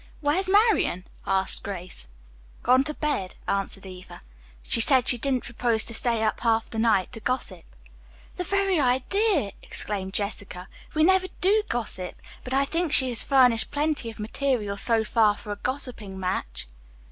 "Where's Marian?" asked Grace. "Gone to bed," answered Eva laconically. "She said she didn't propose to stay up half the night to gossip." "The very idea!" exclaimed Jessica. "We never do gossip, but I think she has furnished plenty of material so far for a gossiping match."